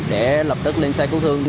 để lập tức lên xe cứu thương